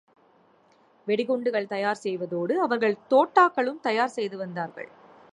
வெடிகுண்டுகள் தயார் செய்வதோடு அவர்கள் தோட்டக்களும் தயார் செய்து வந்தார்கள்.